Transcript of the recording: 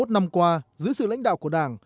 bảy mươi một năm qua giữa sự lãnh đạo của đảng